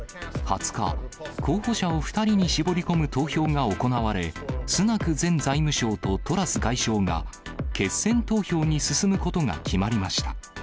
２０日、候補者を２人に絞り込む投票が行われ、スナク前財務相とトラス外相が、決選投票に進むことが決まりました。